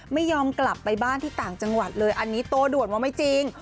ไม่ยอมกลับไปบ้านที่ต่างจังหวัดเลยอันนี้โตด่วนว่าไม่จริง